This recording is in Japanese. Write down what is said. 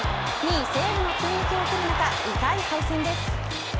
２位西武の追撃を受ける中痛い敗戦です。